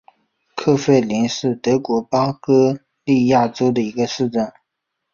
克弗灵是德国巴伐利亚州的一个市镇。